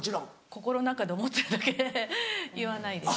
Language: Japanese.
心の中で思ってるだけで言わないです。